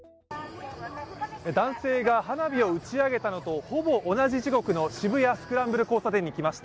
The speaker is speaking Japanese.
男性が花火を打ち上げたのとほぼ同じ時刻の渋谷スクランブル交差点に来ました。